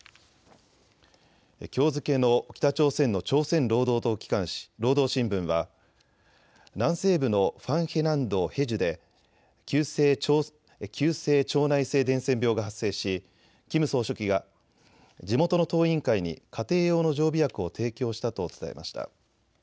きょう付けの北朝鮮の朝鮮労働党機関紙、労働新聞は南西部のファンヘ南道ヘジュで急性腸内性伝染病が発生しキム総書記が地元の党委員会に家庭用の常備薬を提供したと伝えました。